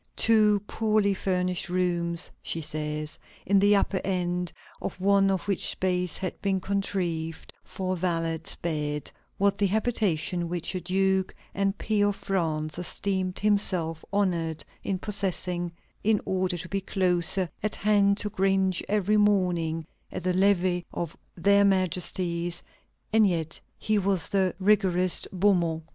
"Two poorly furnished rooms," she says, "in the upper end of one of which space had been contrived for a valet's bed, was the habitation which a duke and peer of France esteemed himself honored in possessing, in order to be closer at hand to cringe every morning at the levée of Their Majesties: and yet he was the rigorist Beaumont....